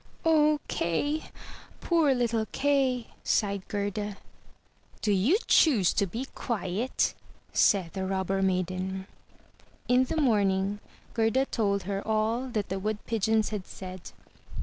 *' "O Kay! poor little Kay!'* sighed Gerda. '*Do you choose to be quiet? said the Robber maiden. In the morning Gerda told her all that the Wood pigeons had said.